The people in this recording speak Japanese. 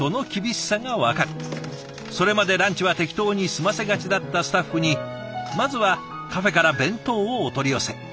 それまでランチは適当に済ませがちだったスタッフにまずはカフェから弁当をお取り寄せ。